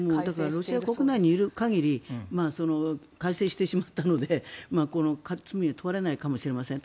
ロシア国内にいる限り改正してしまったのでこの罪には問われないかもしれません。